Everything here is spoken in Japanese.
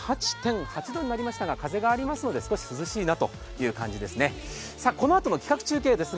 今、気温は２８．８度になりましたが風がありますので少し涼しいなという感じですね。